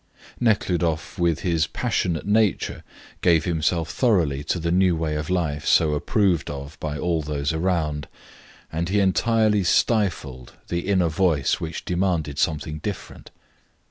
Nekhludoff, with his passionate nature, gave himself thoroughly to the new way of life so approved of by all those around, and he entirely stifled the inner voice which demanded something different.